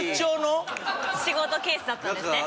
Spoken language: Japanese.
仕事ケースだったんですね。